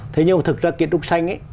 thế nhưng mà thực ra kiến trúc xanh